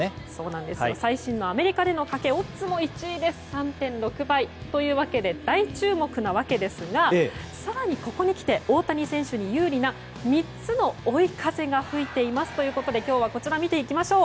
最新のアメリカでのかけオッズも１位で３．６倍というわけで大注目なわけですが更にここにきて大谷選手に有利な３つの追い風が吹いていますということで今日はこちらも見ていきましょう。